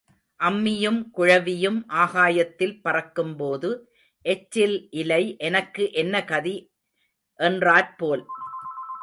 அம்மியும் குழவியும் ஆகாயத்தில் பறக்கும்போது எச்சில் இலை எனக்கு என்ன கதி என்றாற் போல்.